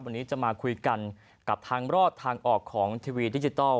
วันนี้จะมาคุยกันกับทางรอดทางออกของทีวีดิจิทัล